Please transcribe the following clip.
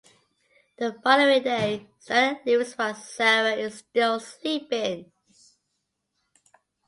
The following day Stella leaves while Sarah is still sleeping.